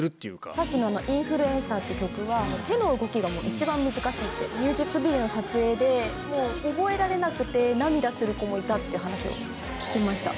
さっきの、インフルエンサーって曲は、手の動きがもう一番難しくて、ミュージックビデオの撮影で、もう覚えられなくて涙する子もいたって話を聞きました。